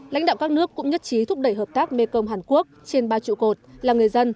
lãnh đạo các nước cũng nhất trí thúc đẩy hợp tác mekong hàn quốc trên ba trụ cột là người dân